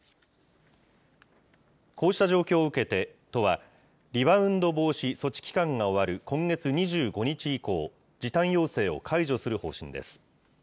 こうした状況を受けて、都はリバウンド防止措置期間が終わる今月２５日以降、時短要請を解除する方針です。